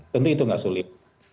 tentu itu nggak sulit